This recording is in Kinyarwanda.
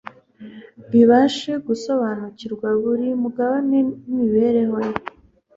bibashe gusobanukirwa buri mugabane w'imibereho ye